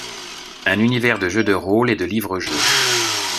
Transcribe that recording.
Un univers de jeu de rôles et de livres-jeu.